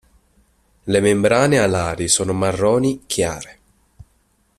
Le membrane alari sono marroni chiare.